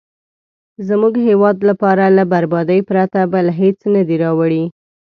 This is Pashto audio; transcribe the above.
زموږ هیواد لپاره له بربادۍ پرته بل هېڅ نه دي راوړي.